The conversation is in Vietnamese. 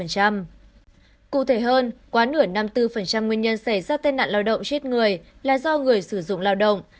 cụ thể hơn quá nửa năm mươi bốn nguyên nhân xảy ra tai nạn lao động chết người là do người sử dụng lao động